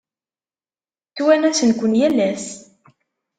Ttwanasen-ken yal ass.